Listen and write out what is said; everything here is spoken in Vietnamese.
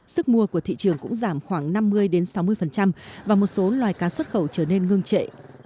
sức mua của thị trường cũng giảm khoảng năm mươi sáu mươi và một số loài cá xuất khẩu trở nên ngưng trệ